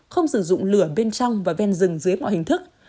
không sử dụng lửa bên trong và ven rừng dưới mọi hình thức